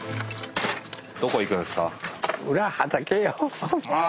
どこ行くんですか？